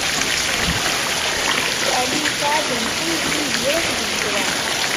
Waɛli isɛa-d: Mḥend, Yidir akked Zira.